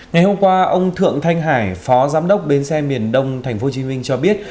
ngày hôm qua ông thượng thanh hải phó giám đốc bến xe miền đông tp hcm cho biết